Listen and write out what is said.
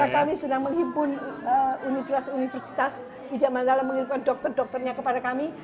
sehingga kami sedang menghimpun universitas universitas di jaman lala mengirimkan dokter dokternya kepada kami